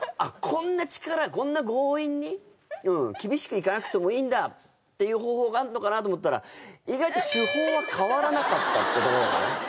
こんな力こんな強引にうん厳しくいかなくてもいいんだっていう方法があんのかなと思ったら意外とってところかな